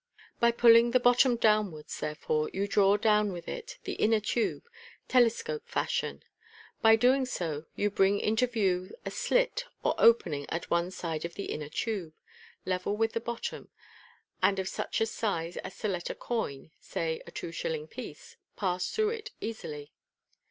By pulling the bot tom downwards, therefore, you draw down with it the inner tube, telescope fashion. By so doing you bring into view a slit or opening at one side of the inner tube, level with the bottom, and of such a size as to let a coin, say a two shilling piece, pass through it easily.